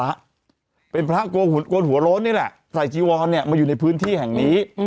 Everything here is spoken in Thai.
และเป็นพระกูลหัวล้นนั้นแหละไสจิวรมาอยู่ในพื้นที่แห่งนี้